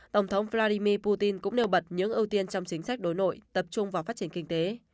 tổng thống vladimir putin cũng nêu bật những ưu tiên trong chính sách đối nội tập trung vào phát triển kinh tế